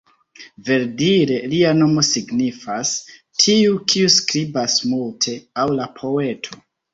Verdire, lia nomo signifas "tiu kiu skribas multe" aŭ la poeto.